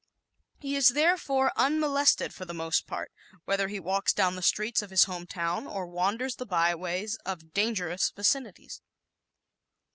He is therefore unmolested for the most part, whether he walks down the streets of his home town or wanders the byways of dangerous vicinities.